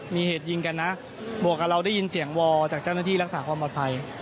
มีเหตุยิงกันนะบวกกับเราได้ยินเสียงวอลจากเจ้าหน้าที่รักษาความปลอดภัย